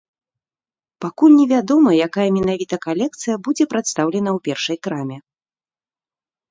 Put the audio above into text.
Пакуль невядома, якая менавіта калекцыя будзе прадстаўлена ў першай краме.